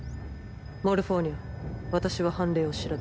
モルフォーニャ私は判例を調べる。